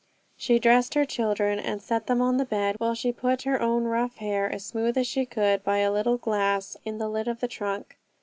She dressed her children and set them on the bed, while she put her own rough hair as smooth as she could by a little glass in the lid of the trunk.